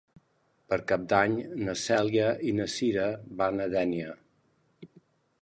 Per Cap d'Any na Cèlia i na Cira van a Dénia.